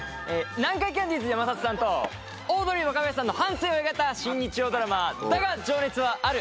南海キャンディーズ・山里さんとオードリー・若林さんの半生を描いた新日曜ドラマ『だが、情熱はある』。